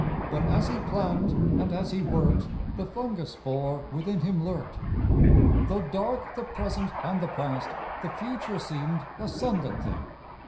But as he planned, and as he worked, The fungus spore within him lurked. Though dark the present and the past, The future seemed a sunlit thing.